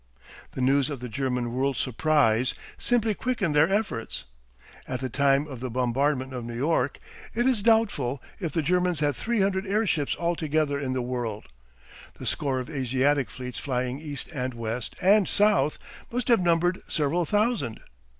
The news of the German World Surprise simply quickened their efforts. At the time of the bombardment of New York it is doubtful if the Germans had three hundred airships all together in the world; the score of Asiatic fleets flying east and west and south must have numbered several thousand.